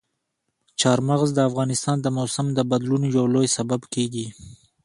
چار مغز د افغانستان د موسم د بدلون یو لوی سبب کېږي.